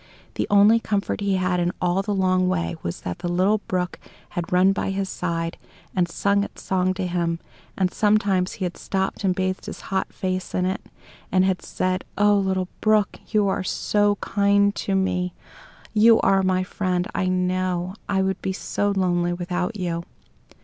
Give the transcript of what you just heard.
The only comfort he had on all the long way was that the little brook had run by his side, and sung its song to him; and sometimes he had stopped and bathed his hot face in it, and had said, "Oh, little brook! you are so kind to me! You are my friend, I know. I would be so lonely without you!"